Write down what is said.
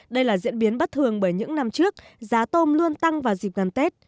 đây là diễn biến bất thường bởi những năm trước giá tôm luôn tăng vào dịp gần tết